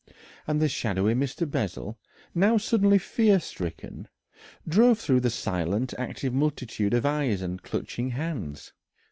And the shadowy Mr. Bessel, now suddenly fear stricken, drove through the silent, active multitude of eyes and clutching hands.